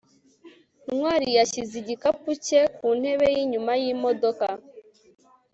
ntwali yashyize igikapu cye ku ntebe yinyuma yimodoka